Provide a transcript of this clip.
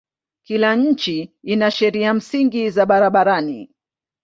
Kila nchi ina sheria msingi za barabarani.